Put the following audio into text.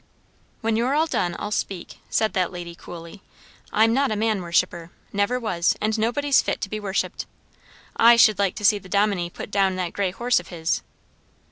"When you're all done, I'll speak," said that lady coolly. "I'm not a man worshipper never was; and nobody's fit to be worshipped. I should like to see the dominie put down that grey horse of his."